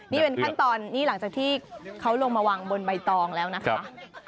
นี่เป็นขั้นตอนนี่หลังจากที่เขาลงมาวางบนใบตองแล้วนะคะ